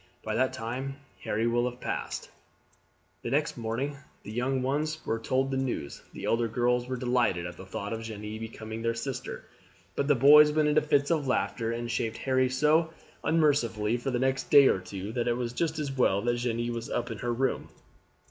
By that time Harry will have passed." The next morning the young ones were told the news. The elder girls were delighted at the thought of Jeanne becoming their sister, but the boys went into fits of laughter and chaffed Harry so unmercifully for the next day or two that it was just as well that Jeanne was up in her room.